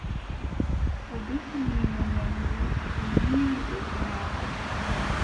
O defini mo nyamndu, o yiiwi gorko maako.